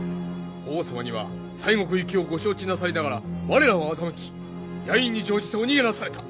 法皇様には西国行きをご承知なさりながら我らを欺き夜陰に乗じてお逃げなされた。